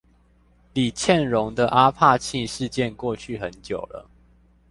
李蒨蓉的阿帕契事件過去很久了